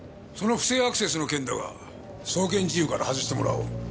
その不正アクセスの件だが送検事由から外してもらおう。